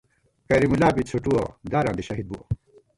کریم اللہ بی څھُوٹُووَہ ، داراں دی شہید بُوَہ